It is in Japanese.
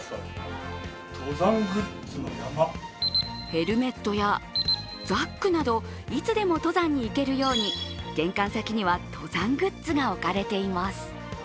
ヘルメットや、ザックなどいつでも登山に行けるように玄関先には、登山グッズが置かれています。